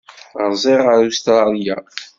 Rziɣ ar Ustṛalya.